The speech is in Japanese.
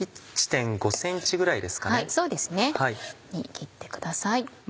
切ってください。